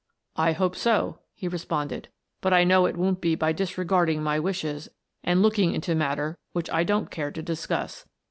" I hope so," he responded, " but I know it won't be by disregarding my wishes and looking into mat ter which I don't care to discuss.